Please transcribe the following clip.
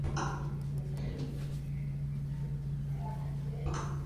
Mariela y Gonzalo no se conocen y aparentemente no tienen nada en común.